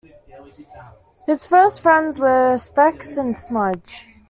His first friends were Specs and Smudge.